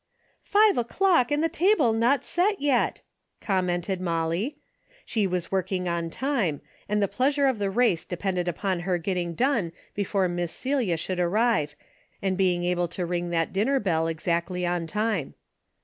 " Five o'clock and the table not set yet !" commented Molly. She was working on time and the pleasure of the race depended upon her getting done before Miss Celia should ar rive, and being able to ring that dinner bell exactly on time.